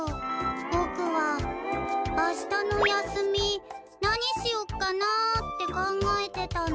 ボクはあしたの休み何しよっかなって考えてたの。